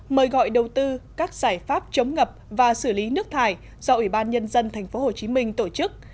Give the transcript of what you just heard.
mời gọi đầu tư các giải pháp chống ngập và xử lý nước thải do ủy ban nhân dân tp hcm tổ chức